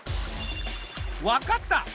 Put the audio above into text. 分かった！